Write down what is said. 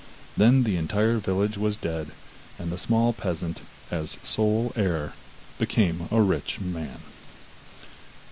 Then the entire village was dead, and the small peasant, as sole heir, became a rich man.